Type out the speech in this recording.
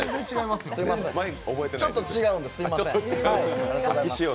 ちょっと違うんで、すみません。